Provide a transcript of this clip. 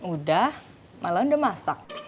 udah malah udah masak